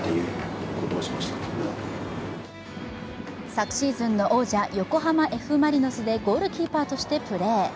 昨シーズンの王者、横浜Ｆ・マリノスでゴールキーパーとしてプレー。